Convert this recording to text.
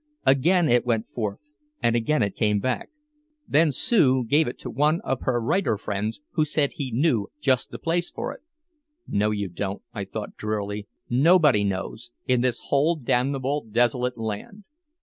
Again it went forth and again back it came. Then Sue gave it to one of her writer friends who said he knew just the place for it. "No, you don't," I thought drearily. "Nobody knows in this whole damnable desolate land."